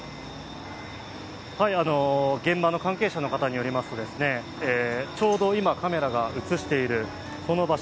現場の関係者の方によりますとちょうど今、カメラが映しているこの場所、